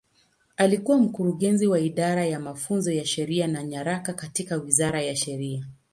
Alikuwa Mkurugenzi wa Idara ya Mafunzo ya Sheria na Nyaraka katika Wizara ya Sheria.